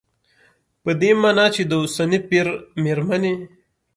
په دې مانا چې د اوسني پېر مېرمنې